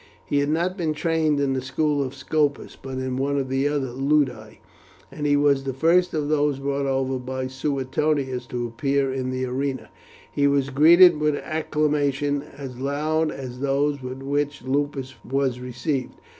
He had not been trained in the school of Scopus, but in one of the other ludi, and as he was the first of those brought over by Suetonius to appear in the arena, he was greeted with acclamation as loud as those with which Lupus was received.